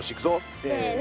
せの。